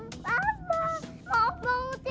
maaf banget ya